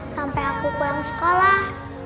sampai aku pulang sekolah